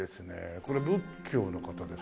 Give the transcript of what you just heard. これ仏教の方ですか？